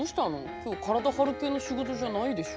今日体張る系の仕事じゃないでしょ？